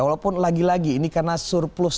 walaupun lagi lagi ini karena surplus